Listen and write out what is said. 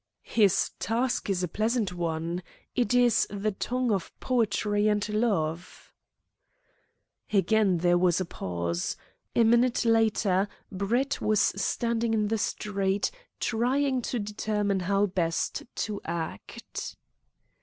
"His task is a pleasant one. It is the tongue of poetry and love." Again there was a pause. A minute later Brett was standing in the street trying to determine how best to act.